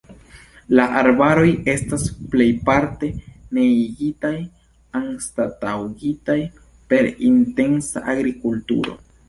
La arbaroj estas plejparte neniigitaj, anstataŭigitaj per intensa agrikulturo.